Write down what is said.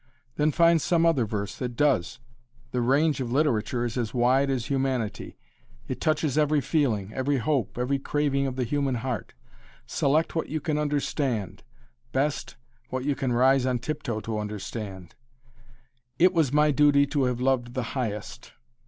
Then find some other verse that does. The range of literature is as wide as humanity. It touches every feeling, every hope, every craving of the human heart. Select what you can understand best, what you can rise on tiptoe to understand. "It was my duty to have loved the highest."